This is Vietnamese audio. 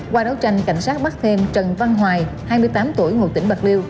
qua đấu tranh cảnh sát bắt thêm trần văn hoài hai mươi tám tuổi ngụ tỉnh bạc liêu